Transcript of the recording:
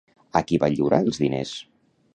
A qui va lliurar els diners?